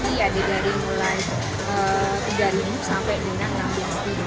dari mulai sampai minang ambil sendiri